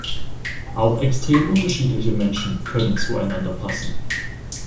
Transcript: Auch extrem unterschiedliche Menschen können zueinander passen.